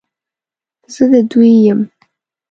زه د دوی یم،